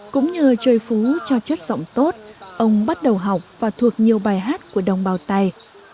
cũng nhờ chơi phú cho chất giọng tốt ông bắt đầu học và thuộc nhiều bài hát của đồng bào tày